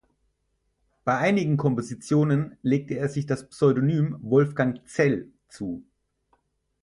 Bei einigen Kompositionen legte er sich das Pseudonym "Wolfgang Zell" zu.